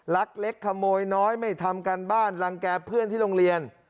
เล็กขโมยน้อยไม่ทำการบ้านรังแก่เพื่อนที่โรงเรียน